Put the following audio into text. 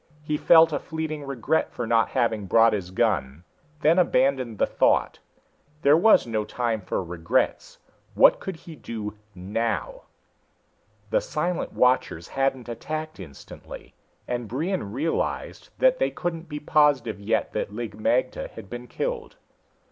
He felt a fleeting regret for not having brought his gun, then abandoned the thought. There was no time for regrets what could he do now? The silent watchers hadn't attacked instantly, and Brion realized that they couldn't be positive yet that Lig magte had been killed.